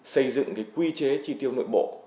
xây dựng quy chế chi tiêu nội bộ